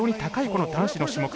この男子の種目。